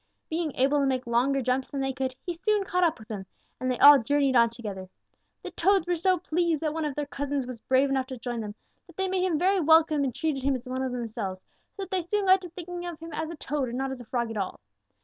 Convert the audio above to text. Being able to make longer jumps than they could, he soon caught up with them, and they all journeyed on together. The Toads were so pleased that one of their cousins was brave enough to join them that they made him very welcome and treated him as one of themselves, so that they soon got to thinking of him as a Toad and not as a Frog at all.